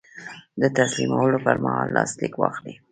د تسلیمولو پر مهال لاسلیک واخلئ.